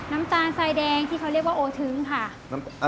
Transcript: น้ำตาลทรายแดงที่เขาเรียกว่าโอทึ้งค่ะ